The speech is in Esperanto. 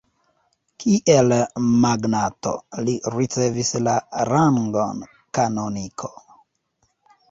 Kiel magnato, li ricevis la rangon kanoniko.